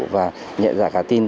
và nhẹ dạy cả tin